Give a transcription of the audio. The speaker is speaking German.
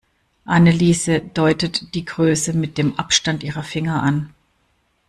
Anneliese deutet die Größe mit dem Abstand ihrer Finger an.